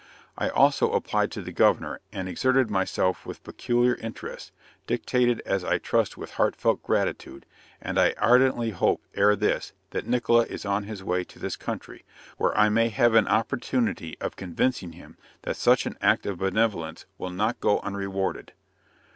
I also applied to the governor, and exerted myself with peculiar interest, dictated as I trust with heartfelt gratitude and I ardently hope ere this, that Nickola is on his way to this country, where I may have an opportunity of convincing him that such an act of benevolence will not go unrewarded.